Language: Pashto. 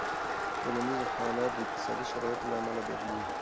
ټولنیز حالت د اقتصادي شرایطو له امله بدلېږي.